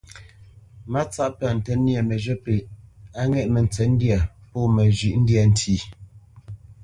Mátsáʼ pə́nə ntə́ nyê məzhə̂ pêʼ á ŋɛ̂ʼ mətsə̌ndyâ pó məzhyə́ ndyâ ntí.